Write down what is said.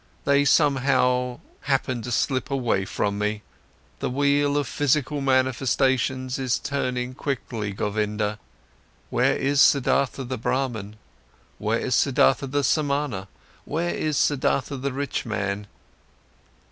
They somehow happened to slip away from me. The wheel of physical manifestations is turning quickly, Govinda. Where is Siddhartha the Brahman? Where is Siddhartha the Samana? Where is Siddhartha the rich man?